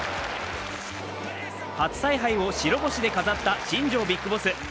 初采配を白星で飾った新庄ビッグボス。